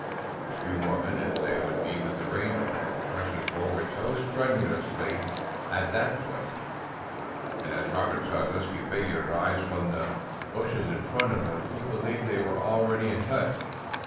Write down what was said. In a few more minutes they would be with the rangers who were pressing forward so strenuously at that point, and as Robert saw dusky figures rise from the bushes in front of them he believed they were already in touch.